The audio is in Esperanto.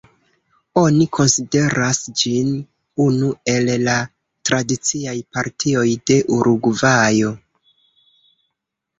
Oni konsideras ĝin unu el la tradiciaj partioj de Urugvajo.